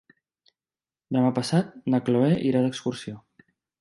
Demà passat na Chloé irà d'excursió.